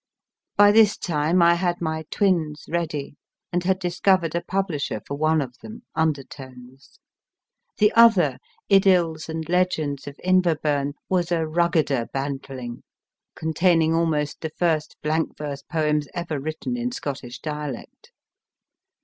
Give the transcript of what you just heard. By this time I had my Twins ready, and had discovered a publisher for one of them, Undertones, The other, Idyls and Legends of Inverbnrn, was a ruggeder bantling, containing almost the first blank verse poems ever written in Scottish dialect.